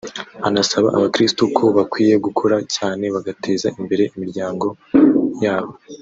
anasaba abakirisitu ko bakwiye gukora cyane bagateza imbere imiryango yabo